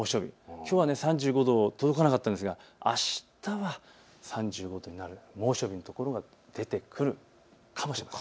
きょうは３５度届かなかったんですがあしたは３５度、猛暑日の所が出てくるかもしれません。